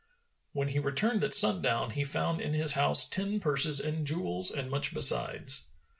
When he returned at sundown, he found in his house ten purses and jewels and much besides.